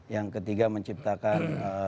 yang ketiga menciptakan